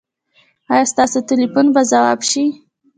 ایا ستاسو ټیلیفون به ځواب شي؟